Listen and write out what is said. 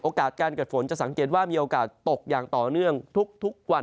การเกิดฝนจะสังเกตว่ามีโอกาสตกอย่างต่อเนื่องทุกวัน